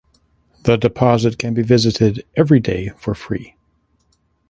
The deposit can be visited every day for free.